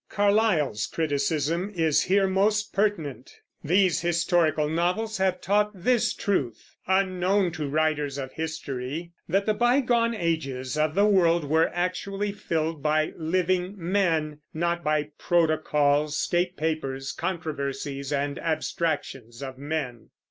Carlyle's criticism is here most pertinent: "These historical novels have taught this truth ... unknown to writers of history: that the bygone ages of the world were actually filled by living men, not by protocols, state papers, controversies, and abstractions of men."